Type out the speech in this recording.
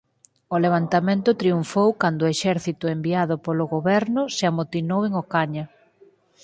O levantamento triunfou cando o exército enviado polo goberno se amotinou en Ocaña.